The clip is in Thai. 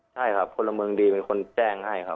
ใช่ครับคนละเมืองดีเป็นคนแจ้งให้ครับ